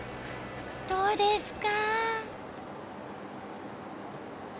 どうですか？